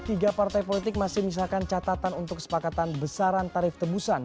tiga partai politik masih menyisakan catatan untuk kesepakatan besaran tarif tebusan